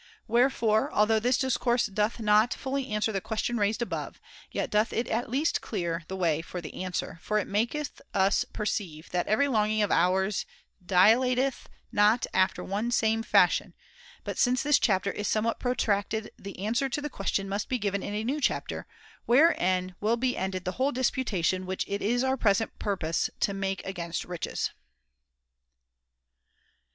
Wherefore, although this discourse doth not fully answer the question raised above, yet doth it at least clear the way for the answer, for it maketh us perceive that every longing of ours dilateth not after one same fashion ; but since this chapter is somewhat protracted the answer to the question must be given in a new chapter, wherein will be ended the whole disputation which [[2103 it is our present purpose to make against riches.